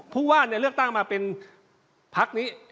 ผู้ว่าเลือกตั้งมาเป็นพักนี้